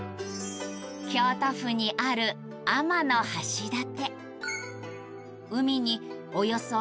京都府にある天橋立